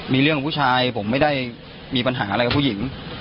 มีเรื่องของผู้ชายผมไม่ได้มีปัญหาอะไรกับผู้หญิง